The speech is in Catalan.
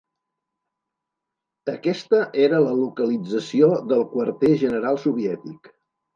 Aquesta era la localització del quarter general soviètic.